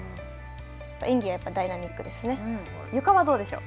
演技はやっぱりダイナミックですゆかはどうでしょう？